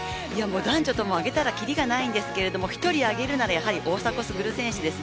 男女ともに挙げたらきりがないですが１人を挙げるなら大迫傑選手です。